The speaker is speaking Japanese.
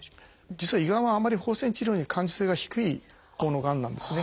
実は胃がんはあんまり放射線治療には感受性が低いほうのがんなんですね。